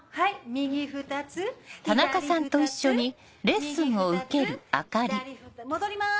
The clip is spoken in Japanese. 右２つ左２つ戻ります。